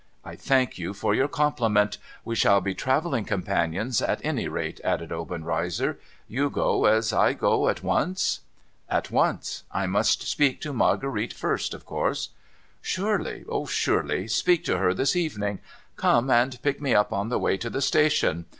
I thank you for your compliment. We shall be travelling companions at any rate,' added Obenreizer. ' You go, as I go, at once ?' GEORGE VENDALE RECEIVES A CAUTION 537 * At once. I must speak to Marguerite first, of course !'' Surely ! surely ! Speak to her this evening. Come, and pick me up on the way to the station.